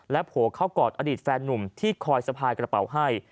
โผล่เข้ากอดอดีตแฟนนุ่มที่คอยสะพายกระเป๋าให้